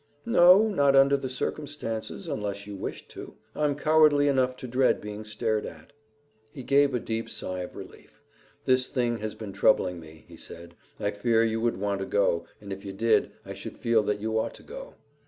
"No, not under the circumstances, unless you wished to. I'm cowardly enough to dread being stared at." He gave a deep sign of relief. "This thing has been troubling me," he said. "I feared you would want to go, and if you did, I should feel that you ought to go."